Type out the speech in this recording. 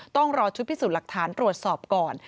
ต้องรอชุดพิสูจน์หลักฐานตรวจสอบก่อน